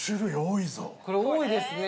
前田：これ、多いですね。